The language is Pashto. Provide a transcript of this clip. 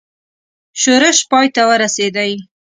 ښورښ پای ته ورسېدی.